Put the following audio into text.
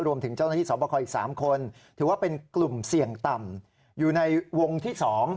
รวมถึงเจ้าหน้าที่สอบประคออีก๓คนถือว่าเป็นกลุ่มเสี่ยงต่ำอยู่ในวงที่๒